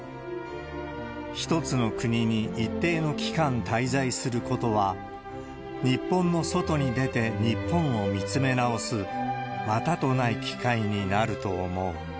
１つの国に一定の期間滞在することは、日本の外に出て日本を見つめ直すまたとない機会になると思う。